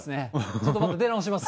ちょっと出直します。